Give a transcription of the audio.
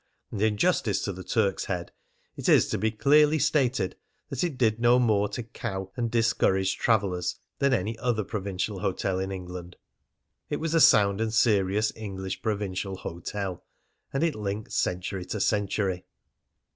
And in justice to the Turk's Head, it is to be clearly stated that it did no more to cow and discourage travellers than any other provincial hotel in England. It was a sound and serious English provincial hotel; and it linked century to century.